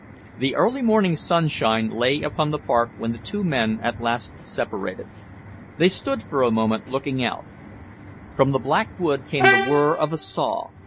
The early morning sunshine lay upon the park when the two men at last separated. They stood for a moment looking out. From the Black Wood came the whirr of a saw.